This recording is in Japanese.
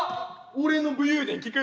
俺の武勇伝聞く？